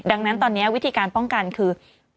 ดังนั้นตอนนี้วิธีการป้องกันคือ